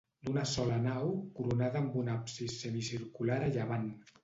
D'una sola nau, coronada amb un absis semicircular a llevant.